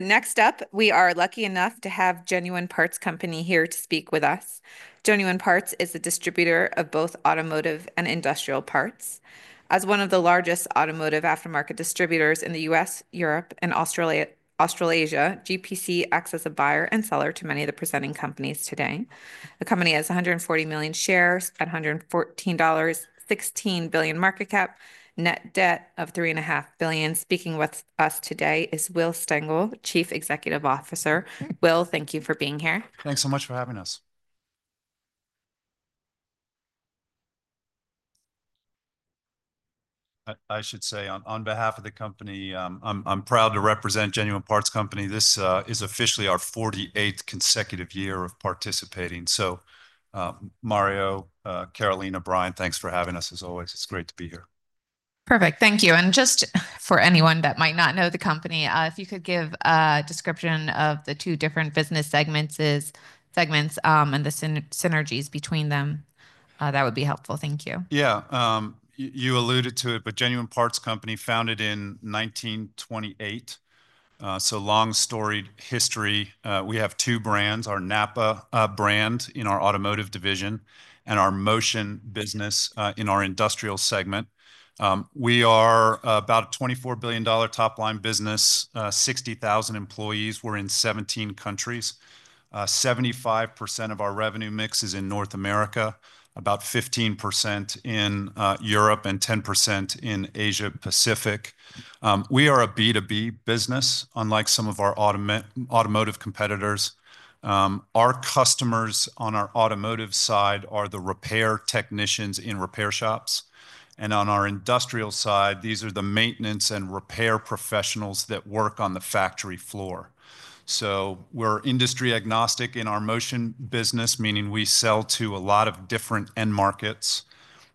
Next up, we are lucky enough to have Genuine Parts Company here to speak with us. Genuine Parts is a distributor of both automotive and industrial parts. As one of the largest automotive aftermarket distributors in the U.S., Europe, and Australia, Australasia, GPC acts as a buyer and seller to many of the presenting companies today. The company has 140 million shares, $114.16 billion market cap, net debt of $3.5 billion. Speaking with us today is Will Stengel, Chief Executive Officer. Will, thank you for being here. Thanks so much for having us. I should say, on behalf of the company, I'm proud to represent Genuine Parts Company. This is officially our 48th consecutive year of participating. So, Mario, Carolina, Brian, thanks for having us, as always. It's great to be here. Perfect. Thank you, and just for anyone that might not know the company, if you could give a description of the two different business segments and the synergies between them, that would be helpful. Thank you. Yeah, you alluded to it, but Genuine Parts Company was founded in 1928. So, long, storied history. We have two brands: our NAPA brand in our automotive division and our Motion business in our industrial segment. We are about a $24 billion top-line business, 60,000 employees. We're in 17 countries. 75% of our revenue mix is in North America, about 15% in Europe, and 10% in Asia-Pacific. We are a B2B business, unlike some of our automotive competitors. Our customers on our automotive side are the repair technicians in repair shops. And on our industrial side, these are the maintenance and repair professionals that work on the factory floor. So, we're industry agnostic in our Motion business, meaning we sell to a lot of different end markets.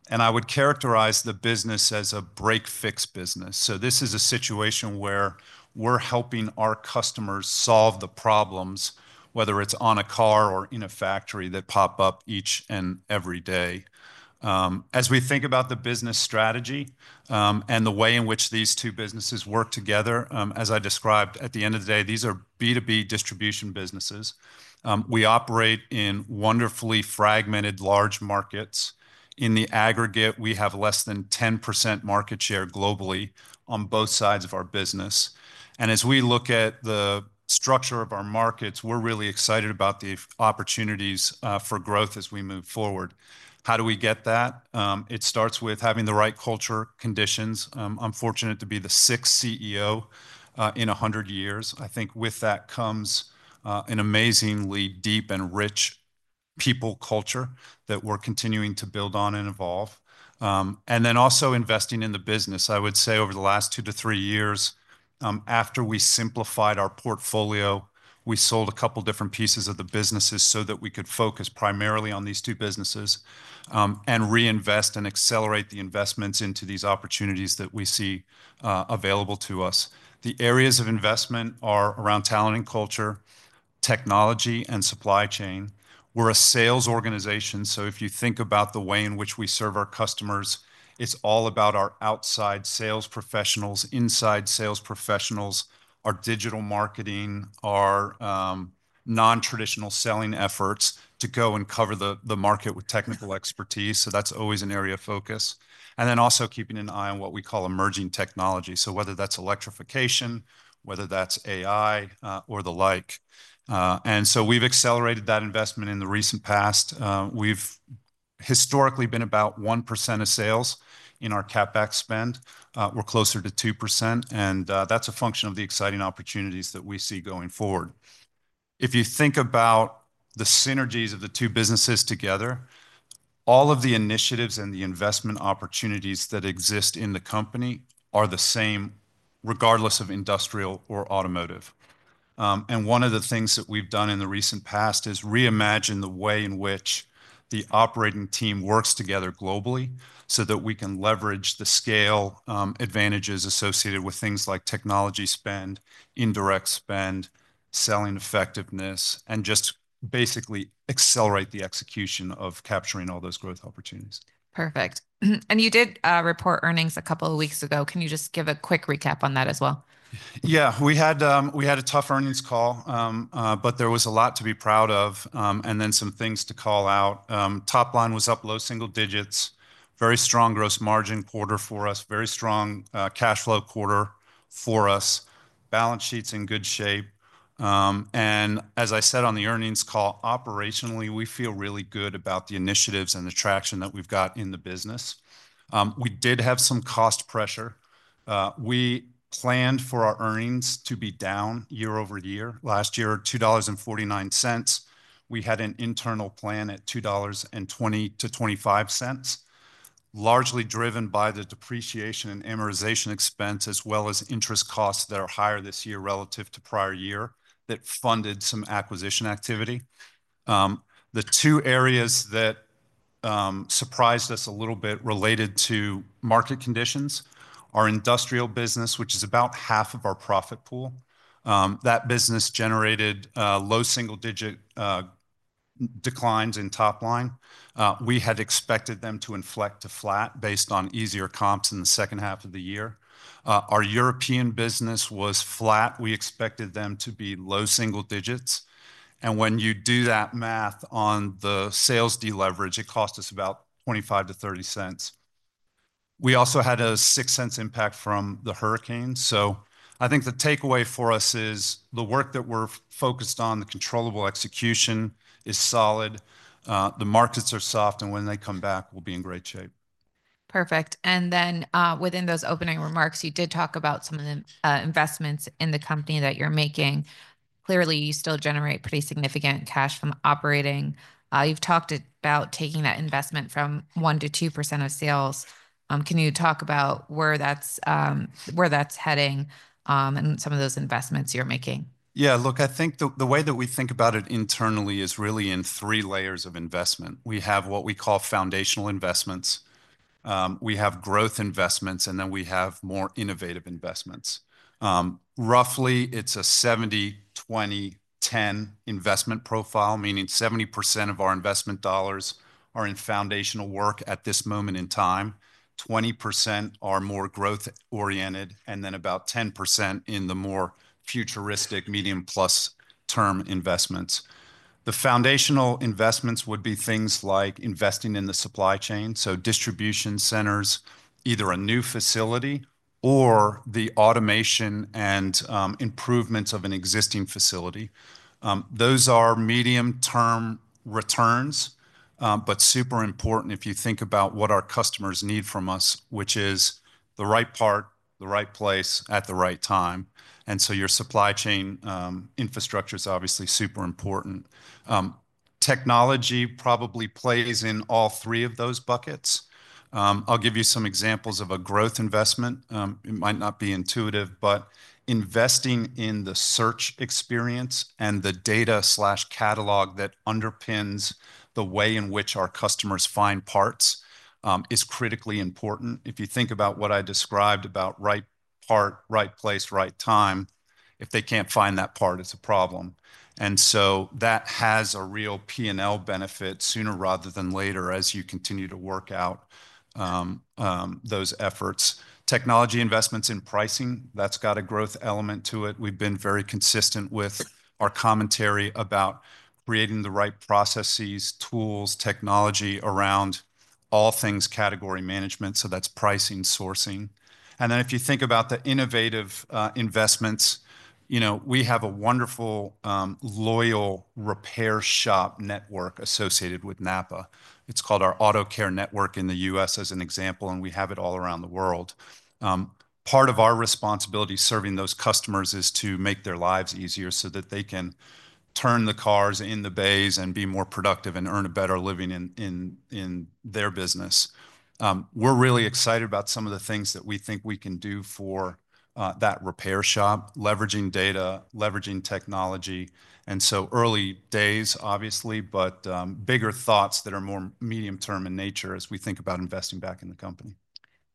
And I would characterize the business as a break-fix business. This is a situation where we're helping our customers solve the problems, whether it's on a car or in a factory that pop up each and every day. As we think about the business strategy and the way in which these two businesses work together, as I described, at the end of the day, these are B2B distribution businesses. We operate in wonderfully fragmented large markets. In the aggregate, we have less than 10% market share globally on both sides of our business. As we look at the structure of our markets, we're really excited about the opportunities for growth as we move forward. How do we get that? It starts with having the right culture conditions. I'm fortunate to be the sixth CEO in 100 years. I think with that comes an amazingly deep and rich people culture that we're continuing to build on and evolve. And then also investing in the business. I would say over the last two to three years, after we simplified our portfolio, we sold a couple of different pieces of the businesses so that we could focus primarily on these two businesses and reinvest and accelerate the investments into these opportunities that we see available to us. The areas of investment are around talent and culture, technology, and supply chain. We're a sales organization. So, if you think about the way in which we serve our customers, it's all about our outside sales professionals, inside sales professionals, our digital marketing, our non-traditional selling efforts to go and cover the market with technical expertise. So, that's always an area of focus. And then also keeping an eye on what we call emerging technology. So, whether that's electrification, whether that's AI, or the like. And so, we've accelerated that investment in the recent past. We've historically been about 1% of sales in our CapEx spend. We're closer to 2%. And that's a function of the exciting opportunities that we see going forward. If you think about the synergies of the two businesses together, all of the initiatives and the investment opportunities that exist in the company are the same, regardless of industrial or automotive. And one of the things that we've done in the recent past is reimagine the way in which the operating team works together globally so that we can leverage the scale advantages associated with things like technology spend, indirect spend, selling effectiveness, and just basically accelerate the execution of capturing all those growth opportunities. Perfect. And you did report earnings a couple of weeks ago. Can you just give a quick recap on that as well? Yeah, we had a tough earnings call, but there was a lot to be proud of and then some things to call out. Top line was up low single digits, very strong gross margin quarter for us, very strong cash flow quarter for us, balance sheets in good shape. And as I said on the earnings call, operationally, we feel really good about the initiatives and the traction that we've got in the business. We did have some cost pressure. We planned for our earnings to be down year over year. Last year, $2.49. We had an internal plan at $2.20-$0.25, largely driven by the depreciation and amortization expense, as well as interest costs that are higher this year relative to prior year that funded some acquisition activity. The two areas that surprised us a little bit related to market conditions are industrial business, which is about half of our profit pool. That business generated low single-digit declines in top line. We had expected them to inflect to flat based on easier comps in the second half of the year. Our European business was flat. We expected them to be low single digits. And when you do that math on the sales deleverage, it cost us about $0.25-$0.30. We also had a $0.06 impact from the hurricane. So, I think the takeaway for us is the work that we're focused on, the controllable execution, is solid. The markets are soft, and when they come back, we'll be in great shape. Perfect. And then within those opening remarks, you did talk about some of the investments in the company that you're making. Clearly, you still generate pretty significant cash from operating. You've talked about taking that investment from 1%-2% of sales. Can you talk about where that's heading and some of those investments you're making? Yeah, look, I think the way that we think about it internally is really in three layers of investment. We have what we call foundational investments. We have growth investments, and then we have more innovative investments. Roughly, it's a 70-20-10 investment profile, meaning 70% of our investment dollars are in foundational work at this moment in time, 20% are more growth-oriented, and then about 10% in the more futuristic medium-plus term investments. The foundational investments would be things like investing in the supply chain, so distribution centers, either a new facility or the automation and improvements of an existing facility. Those are medium-term returns, but super important if you think about what our customers need from us, which is the right part, the right place at the right time. And so, your supply chain infrastructure is obviously super important. Technology probably plays in all three of those buckets. I'll give you some examples of a growth investment. It might not be intuitive, but investing in the search experience and the data/catalog that underpins the way in which our customers find parts is critically important. If you think about what I described about right part, right place, right time, if they can't find that part, it's a problem. And so, that has a real P&L benefit sooner rather than later as you continue to work out those efforts. Technology investments in pricing, that's got a growth element to it. We've been very consistent with our commentary about creating the right processes, tools, technology around all things category management. So, that's pricing, sourcing. And then if you think about the innovative investments, you know we have a wonderful, loyal repair shop network associated with NAPA. It's called our AutoCare Network in the U.S., as an example, and we have it all around the world. Part of our responsibility serving those customers is to make their lives easier so that they can turn the cars in the bays and be more productive and earn a better living in their business. We're really excited about some of the things that we think we can do for that repair shop, leveraging data, leveraging technology, and so early days, obviously, but bigger thoughts that are more medium-term in nature as we think about investing back in the company.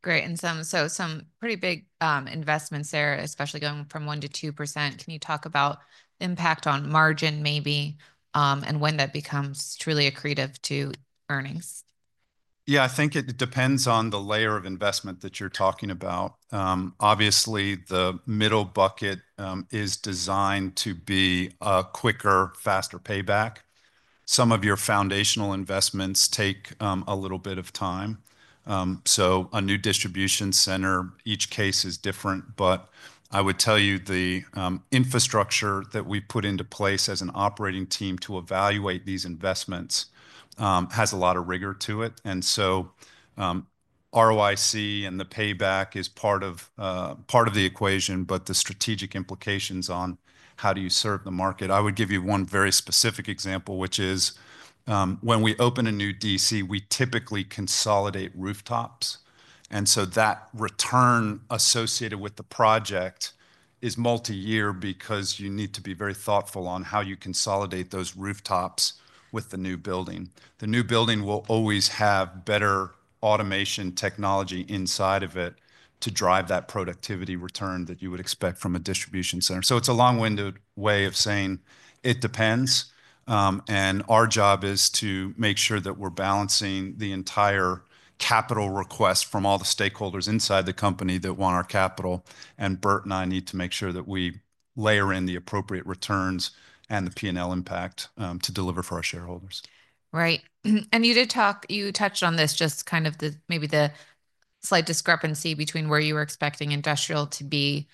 Great. And so, some pretty big investments there, especially going from 1%-2%. Can you talk about the impact on margin, maybe, and when that becomes truly accretive to earnings? Yeah, I think it depends on the layer of investment that you're talking about. Obviously, the middle bucket is designed to be a quicker, faster payback. Some of your foundational investments take a little bit of time. So, a new distribution center, each case is different, but I would tell you the infrastructure that we put into place as an operating team to evaluate these investments has a lot of rigor to it. And so, ROIC and the payback is part of the equation, but the strategic implications on how do you serve the market. I would give you one very specific example, which is when we open a new DC, we typically consolidate rooftops. And so, that return associated with the project is multi-year because you need to be very thoughtful on how you consolidate those rooftops with the new building. The new building will always have better automation technology inside of it to drive that productivity return that you would expect from a distribution center. So, it's a long-winded way of saying it depends. And our job is to make sure that we're balancing the entire capital request from all the stakeholders inside the company that want our capital. And Bert and I need to make sure that we layer in the appropriate returns and the P&L impact to deliver for our shareholders. Right. And you did talk, you touched on this, just kind of maybe the slight discrepancy between where you were expecting industrial to be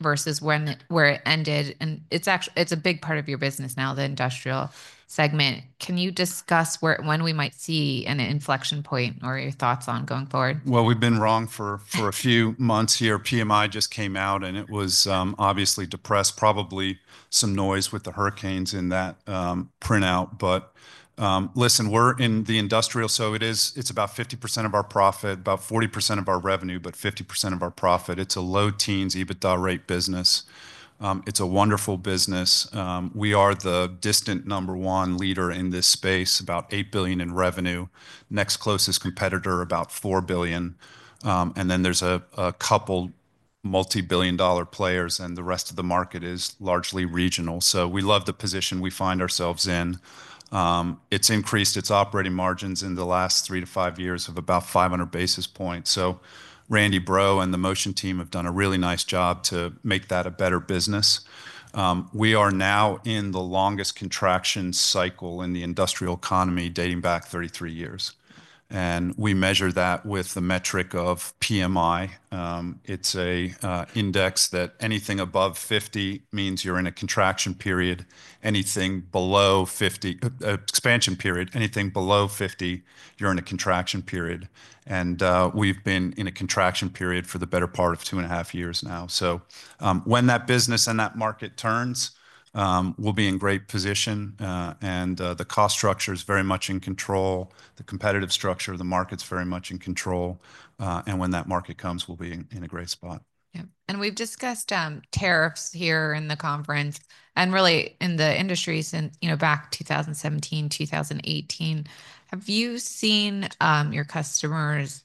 versus where it ended. And it's a big part of your business now, the industrial segment. Can you discuss when we might see an inflection point or your thoughts on going forward? We've been wrong for a few months here. PMI just came out, and it was obviously depressed, probably some noise with the hurricanes in that printout. Listen, we're in the industrial, so it's about 50% of our profit, about 40% of our revenue, but 50% of our profit. It's a low teens EBITDA rate business. It's a wonderful business. We are the distant number one leader in this space, about $8 billion in revenue. Next closest competitor, about $4 billion. And then there's a couple multi-billion dollar players, and the rest of the market is largely regional. We love the position we find ourselves in. It's increased its operating margins in the last three to five years of about 500 basis points. Randy Breaux and the Motion team have done a really nice job to make that a better business. We are now in the longest contraction cycle in the industrial economy dating back 33 years. And we measure that with the metric of PMI. It's an index that anything above 50 means you're in a contraction period. Anything below 50, expansion period, anything below 50, you're in a contraction period. And we've been in a contraction period for the better part of two and a half years now. So, when that business and that market turns, we'll be in great position. And the cost structure is very much in control. The competitive structure, the market's very much in control. And when that market comes, we'll be in a great spot. Yeah, and we've discussed tariffs here in the conference and really in the industry since back 2017, 2018. Have you seen your customers,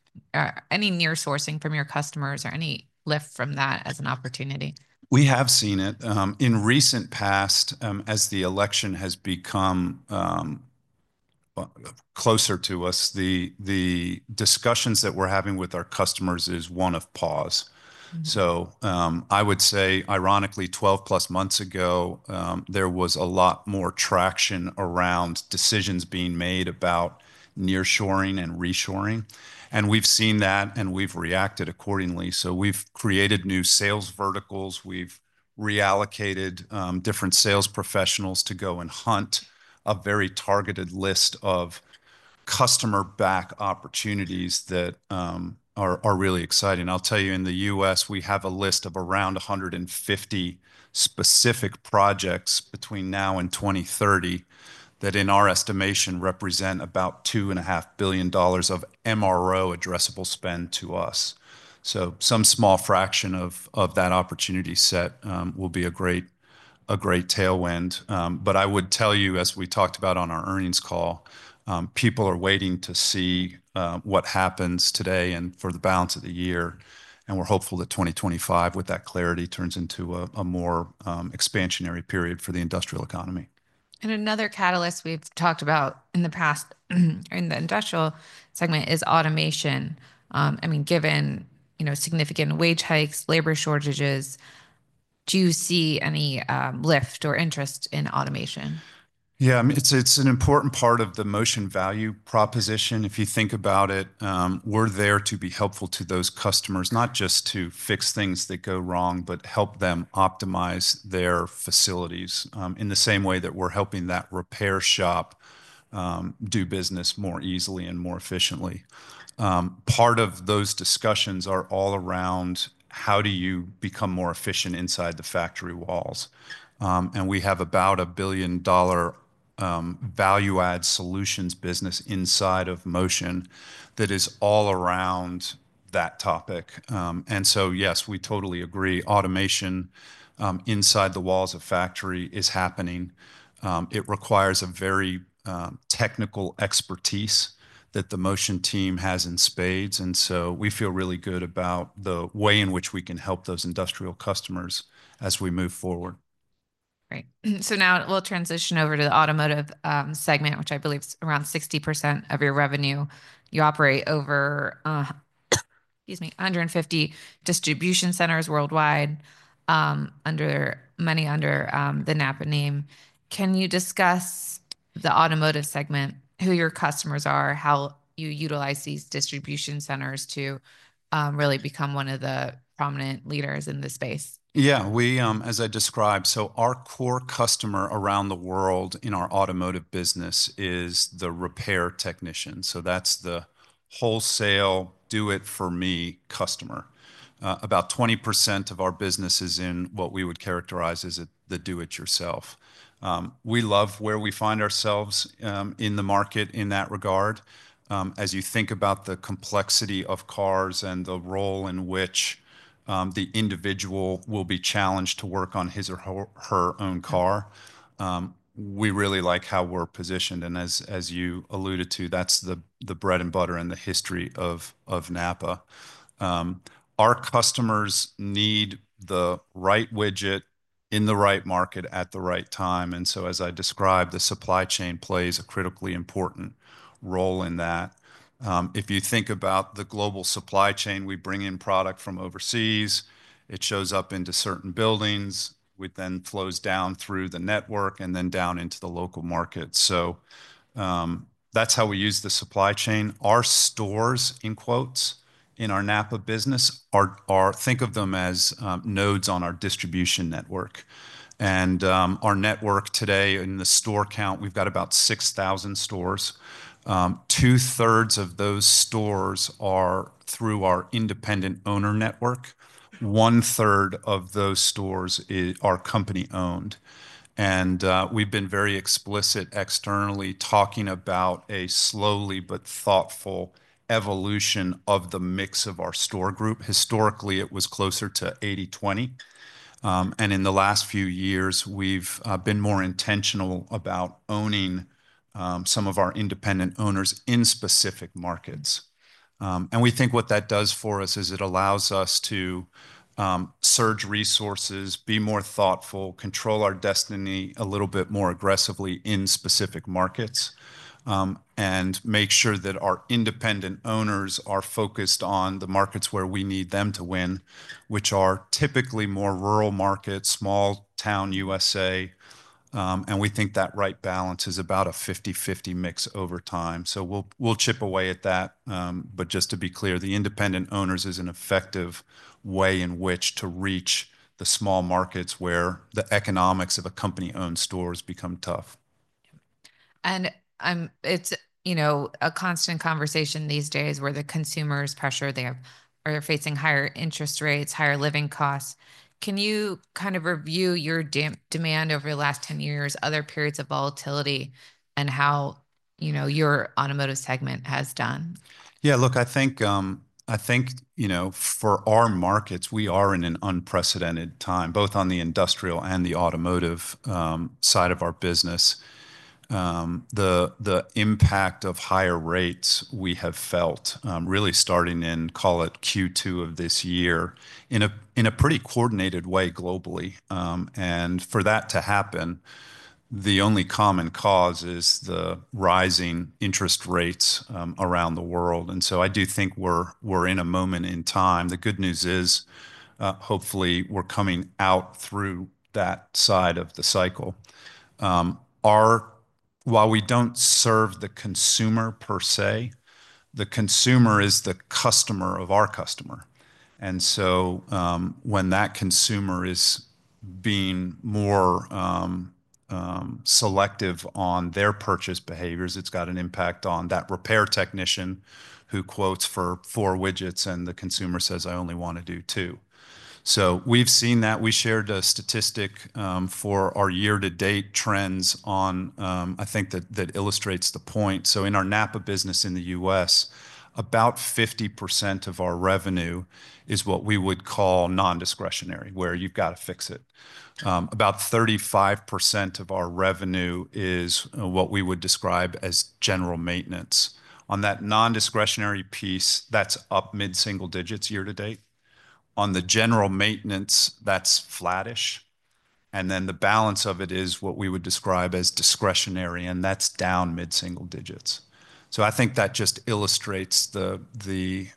any nearshoring from your customers or any lift from that as an opportunity? We have seen it. In recent past, as the election has become closer to us, the discussions that we're having with our customers is one of pause. So, I would say, ironically, 12 plus months ago, there was a lot more traction around decisions being made about nearshoring and reshoring. And we've seen that, and we've reacted accordingly. So, we've created new sales verticals. We've reallocated different sales professionals to go and hunt a very targeted list of customer-backed opportunities that are really exciting. I'll tell you, in the U.S., we have a list of around 150 specific projects between now and 2030 that, in our estimation, represent about $2.5 billion of MRO addressable spend to us. So, some small fraction of that opportunity set will be a great tailwind. But I would tell you, as we talked about on our earnings call, people are waiting to see what happens today and for the balance of the year. And we're hopeful that 2025, with that clarity, turns into a more expansionary period for the industrial economy. And another catalyst we've talked about in the past in the industrial segment is automation. I mean, given significant wage hikes, labor shortages, do you see any lift or interest in automation? Yeah, it's an important part of the Motion value proposition. If you think about it, we're there to be helpful to those customers, not just to fix things that go wrong, but help them optimize their facilities in the same way that we're helping that repair shop do business more easily and more efficiently. Part of those discussions are all around how do you become more efficient inside the factory walls. And we have about a $1 billion value-add solutions business inside of Motion that is all around that topic. And so, yes, we totally agree. Automation inside the walls of the factory is happening. It requires a very technical expertise that the Motion team has in spades. And so, we feel really good about the way in which we can help those industrial customers as we move forward. Great. So now we'll transition over to the automotive segment, which I believe is around 60% of your revenue. You operate over, excuse me, 150 distribution centers worldwide under the NAPA name. Can you discuss the automotive segment, who your customers are, how you utilize these distribution centers to really become one of the prominent leaders in the space? Yeah, as I described, so our core customer around the world in our automotive business is the repair technician. So that's the wholesale do-it-for-me customer. About 20% of our business is in what we would characterize as the do-it-yourself. We love where we find ourselves in the market in that regard. As you think about the complexity of cars and the role in which the individual will be challenged to work on his or her own car, we really like how we're positioned. And as you alluded to, that's the bread and butter and the history of NAPA. Our customers need the right widget in the right market at the right time. And so, as I described, the supply chain plays a critically important role in that. If you think about the global supply chain, we bring in product from overseas. It shows up into certain buildings, which then flows down through the network and then down into the local market, so that's how we use the supply chain. Our stores, in quotes, in our NAPA business, think of them as nodes on our distribution network, and our network today in the store count, we've got about 6,000 stores. Two-thirds of those stores are through our independent owner network. One-third of those stores are company-owned, and we've been very explicit externally talking about a slowly but thoughtful evolution of the mix of our store group. Historically, it was closer to 80-20, and in the last few years, we've been more intentional about owning some of our independent owners in specific markets. And we think what that does for us is it allows us to surge resources, be more thoughtful, control our destiny a little bit more aggressively in specific markets, and make sure that our independent owners are focused on the markets where we need them to win, which are typically more rural markets, small-town U.S. And we think that right balance is about a 50-50 mix over time. So we'll chip away at that. But just to be clear, the independent owners is an effective way in which to reach the small markets where the economics of a company-owned stores become tough. It's a constant conversation these days where the consumer is pressured. They are facing higher interest rates, higher living costs. Can you kind of review your demand over the last 10 years, other periods of volatility, and how your automotive segment has done? Yeah, look, I think for our markets, we are in an unprecedented time, both on the industrial and the automotive side of our business. The impact of higher rates we have felt really starting in, call it Q2 of this year in a pretty coordinated way globally. And for that to happen, the only common cause is the rising interest rates around the world. And so I do think we're in a moment in time. The good news is, hopefully, we're coming out through that side of the cycle. While we don't serve the consumer per se, the consumer is the customer of our customer. And so when that consumer is being more selective on their purchase behaviors, it's got an impact on that repair technician who quotes for four widgets, and the consumer says, "I only want to do two." So we've seen that. We shared a statistic for our year-to-date trends on. I think that illustrates the point. So in our NAPA business in the U.S., about 50% of our revenue is what we would call non-discretionary, where you've got to fix it. About 35% of our revenue is what we would describe as general maintenance. On that non-discretionary piece, that's up mid-single digits year to date. On the general maintenance, that's flattish. And then the balance of it is what we would describe as discretionary, and that's down mid-single digits. So I think that just illustrates the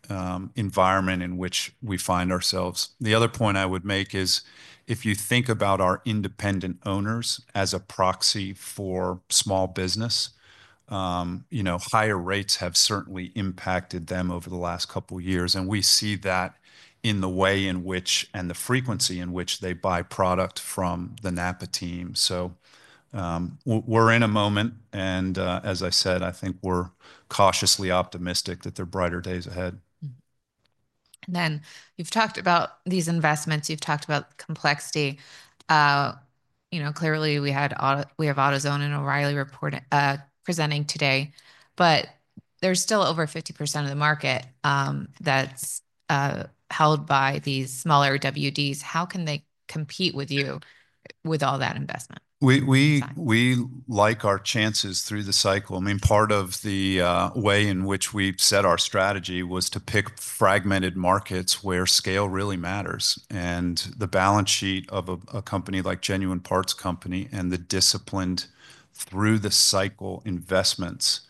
environment in which we find ourselves. The other point I would make is if you think about our independent owners as a proxy for small business, higher rates have certainly impacted them over the last couple of years. And we see that in the way in which and the frequency in which they buy product from the NAPA team. So we're in a moment. And as I said, I think we're cautiously optimistic that there are brighter days ahead. And then you've talked about these investments. You've talked about complexity. Clearly, we have AutoZone and O'Reilly presenting today. But there's still over 50% of the market that's held by these smaller WDs. How can they compete with you with all that investment? We like our chances through the cycle. I mean, part of the way in which we've set our strategy was to pick fragmented markets where scale really matters, and the balance sheet of a company like Genuine Parts Company and the disciplined through the cycle investments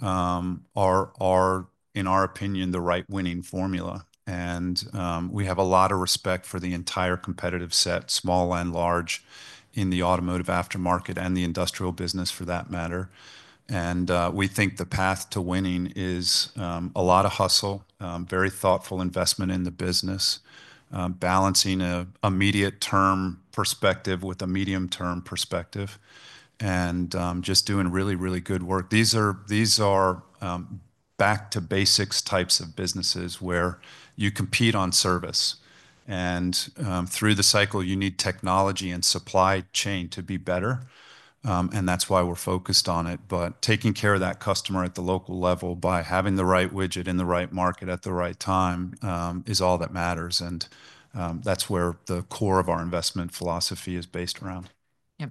are, in our opinion, the right winning formula, and we have a lot of respect for the entire competitive set, small and large, in the automotive aftermarket and the industrial business for that matter, and we think the path to winning is a lot of hustle, very thoughtful investment in the business, balancing an immediate-term perspective with a medium-term perspective, and just doing really, really good work. These are back-to-basics types of businesses where you compete on service, and through the cycle, you need technology and supply chain to be better, and that's why we're focused on it. But taking care of that customer at the local level by having the right widget in the right market at the right time is all that matters. And that's where the core of our investment philosophy is based around. Yep.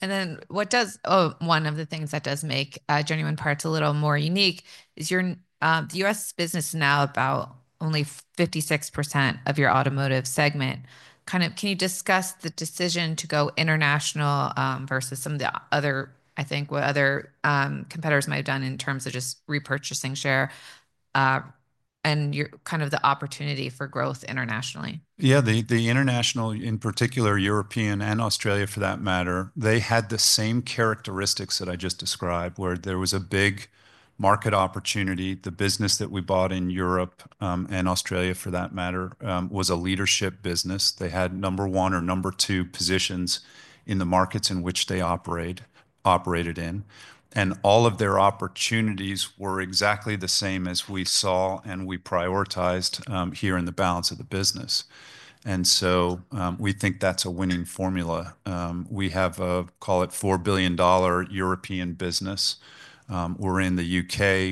And then one of the things that does make Genuine Parts a little more unique is your U.S. business is now about only 56% of your automotive segment. Kind of can you discuss the decision to go international versus some of the other, I think, what other competitors might have done in terms of just repurchasing share and kind of the opportunity for growth internationally? Yeah, the international, in particular, European and Australia for that matter, they had the same characteristics that I just described, where there was a big market opportunity. The business that we bought in Europe and Australia, for that matter, was a leadership business. They had number one or number two positions in the markets in which they operated in. And all of their opportunities were exactly the same as we saw and we prioritized here in the balance of the business. And so we think that's a winning formula. We have a, call it, $4 billion European business. We're in the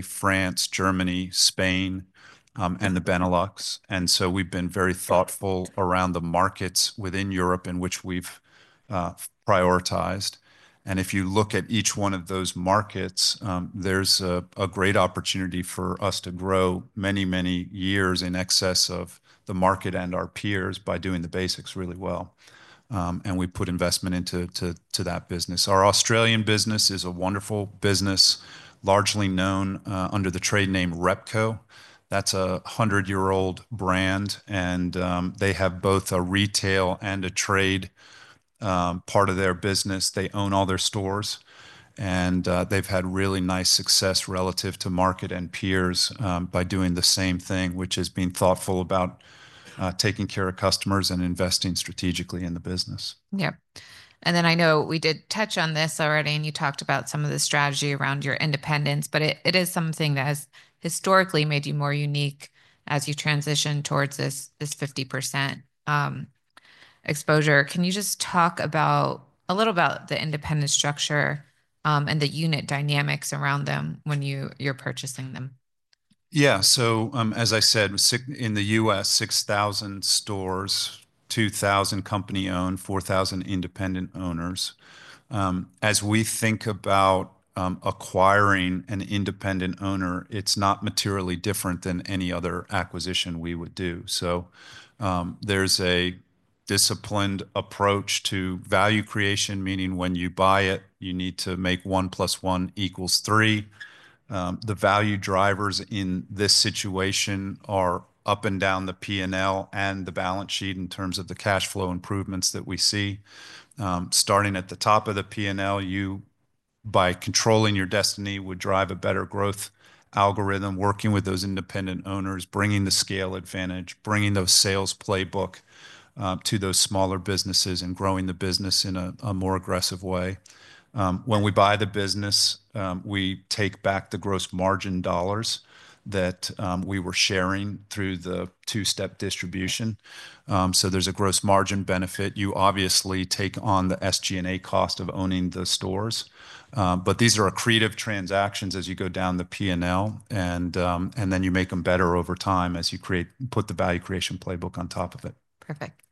UK, France, Germany, Spain, and the Benelux. And so we've been very thoughtful around the markets within Europe in which we've prioritized. If you look at each one of those markets, there's a great opportunity for us to grow many, many years in excess of the market and our peers by doing the basics really well. We put investment into that business. Our Australian business is a wonderful business, largely known under the trade name Repco. That's a 100-year-old brand. They have both a retail and a trade part of their business. They own all their stores. They've had really nice success relative to market and peers by doing the same thing, which is being thoughtful about taking care of customers and investing strategically in the business. Yeah. And then I know we did touch on this already, and you talked about some of the strategy around your independence, but it is something that has historically made you more unique as you transition towards this 50% exposure. Can you just talk a little about the independent structure and the unit dynamics around them when you're purchasing them? Yeah. So as I said, in the U.S., 6,000 stores, 2,000 company-owned, 4,000 independent owners. As we think about acquiring an independent owner, it's not materially different than any other acquisition we would do. So there's a disciplined approach to value creation, meaning when you buy it, you need to make one plus one equals three. The value drivers in this situation are up and down the P&L and the balance sheet in terms of the cash flow improvements that we see. Starting at the top of the P&L, you, by controlling your destiny, would drive a better growth algorithm, working with those independent owners, bringing the scale advantage, bringing those sales playbook to those smaller businesses, and growing the business in a more aggressive way. When we buy the business, we take back the gross margin dollars that we were sharing through the two-step distribution. So there's a gross margin benefit. You obviously take on the SG&A cost of owning the stores. But these are accretive transactions as you go down the P&L. And then you make them better over time as you put the value creation playbook on top of it. Perfect.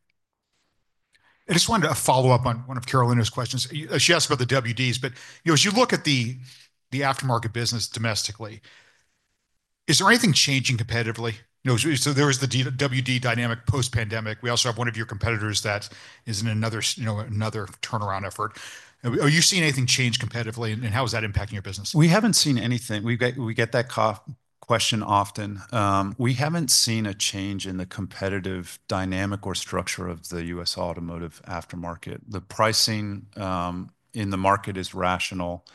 I just wanted to follow up on one of Carolina's questions. She asked about the WDs. But as you look at the aftermarket business domestically, is there anything changing competitively? So there is the WD dynamic post-pandemic. We also have one of your competitors that is in another turnaround effort. Are you seeing anything change competitively, and how is that impacting your business? We haven't seen anything. We get that question often. We haven't seen a change in the competitive dynamic or structure of the U.S. automotive aftermarket. The pricing in the market is rational.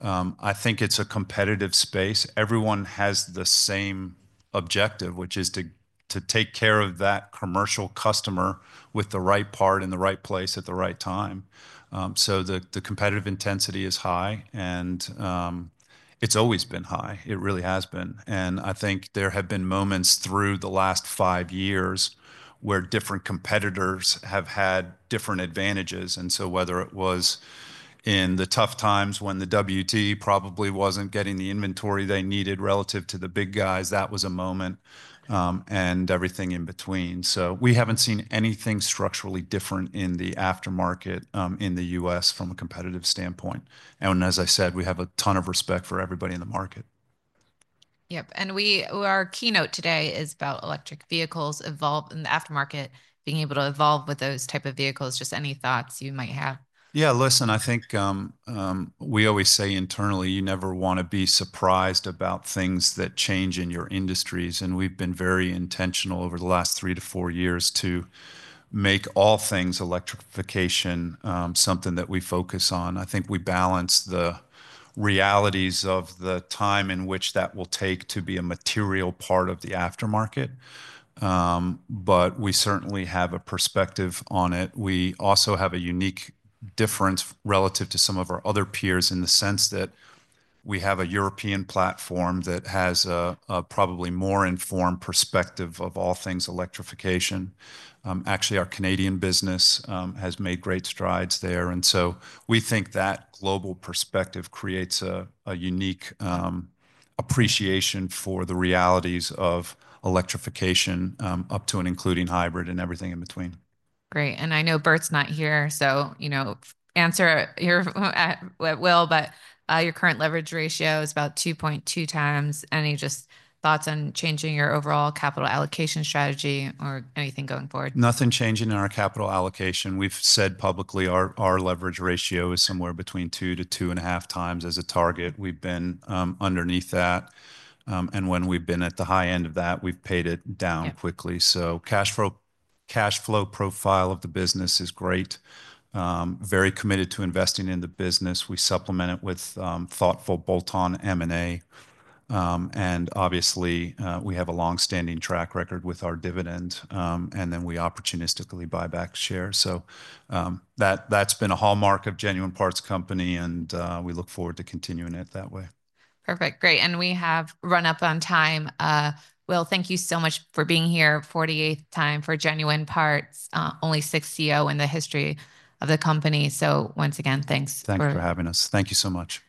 I think it's a competitive space. Everyone has the same objective, which is to take care of that commercial customer with the right part in the right place at the right time. So the competitive intensity is high, and it's always been high. It really has been. And I think there have been moments through the last five years where different competitors have had different advantages. And so whether it was in the tough times when the WD probably wasn't getting the inventory they needed relative to the big guys, that was a moment, and everything in between. So we haven't seen anything structurally different in the aftermarket in the U.S. from a competitive standpoint. As I said, we have a ton of respect for everybody in the market. Yep. And our keynote today is about electric vehicles in the aftermarket, being able to evolve with those types of vehicles. Just any thoughts you might have? Yeah, listen. I think we always say internally, you never want to be surprised about things that change in your industries. We've been very intentional over the last three to four years to make all things electrification something that we focus on. I think we balance the realities of the time in which that will take to be a material part of the aftermarket. But we certainly have a perspective on it. We also have a unique difference relative to some of our other peers in the sense that we have a European platform that has a probably more informed perspective of all things electrification. Actually, our Canadian business has made great strides there. And so we think that global perspective creates a unique appreciation for the realities of electrification up to and including hybrid and everything in between. Great, and I know Bert's not here, so answer at will, but your current leverage ratio is about 2.2 times. Any thoughts on changing your overall capital allocation strategy or anything going forward? Nothing changing in our capital allocation. We've said publicly our leverage ratio is somewhere between two to two and a half times as a target. We've been underneath that. And when we've been at the high end of that, we've paid it down quickly. So cash flow profile of the business is great. Very committed to investing in the business. We supplement it with thoughtful bolt-on M&A. And obviously, we have a long-standing track record with our dividend. And then we opportunistically buy back shares. So that's been a hallmark of Genuine Parts Company, and we look forward to continuing it that way. Perfect. Great. And we have run up on time. Will, thank you so much for being here for the eighth time for Genuine Parts, only sixth CEO in the history of the company. So once again, thanks. Thanks for having us. Thank you so much.